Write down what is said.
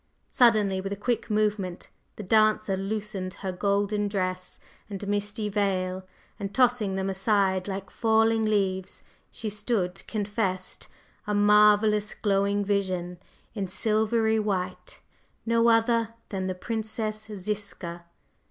Suddenly, with a quick movement, the dancer loosened her golden dress and misty veil, and tossing them aside like falling leaves, she stood confessed a marvellous, glowing vision in silvery white no other than the Princess Ziska!